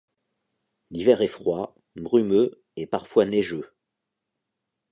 L'hiver est froid, brumeux et parfois neigeux.